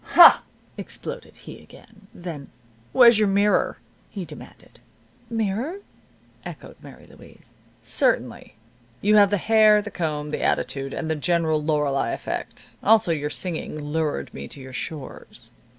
"Ha!" exploded he, again. Then, "Where's your mirror?" he demanded. "Mirror?" echoed Mary Louise. "Certainly. You have the hair, the comb, the attitude, and the general Lorelei effect. Also your singing lured me to your shores."